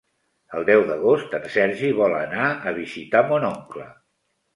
El deu d'agost en Sergi vol anar a visitar mon oncle.